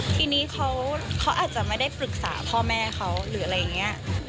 ทีนี้เขาอาจจะไม่ได้ปรึกษาพ่อแม่เขาหรืออะไรอย่างนี้